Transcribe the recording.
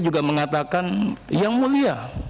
juga mengatakan yang mulia